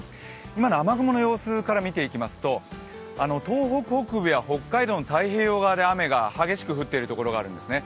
今の雨雲の様子から見ていきますと、東北北部や北海道の太平洋側で雨が激しく降っているところがあるんですね。